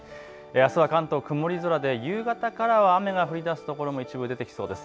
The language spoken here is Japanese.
あすは関東曇り空で夕方から雨が降りだすところも一部出てきそうです。